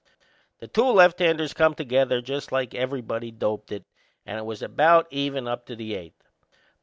The two lefthanders come together just like everybody'd doped it and it was about even up to the eighth.